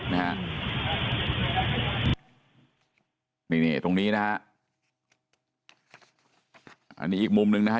นี่ตรงนี้นะครับอันนี้อีกมุมหนึ่งนะครับ